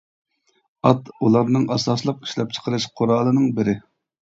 ئات ئۇلارنىڭ ئاساسلىق ئىشلەپچىقىرىش قورالىنىڭ بىرى.